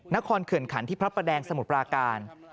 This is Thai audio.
เขื่อนขันที่พระประแดงสมุทรปราการ